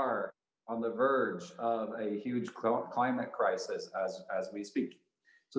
telah tumbuh lebih cepat dari kebanyakan negara